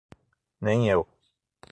Nem eu